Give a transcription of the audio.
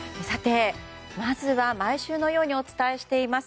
まずは毎週のようにお伝えしています